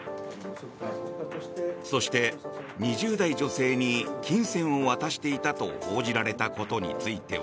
そして、２０代女性に金銭を渡していたと報じられたことについては。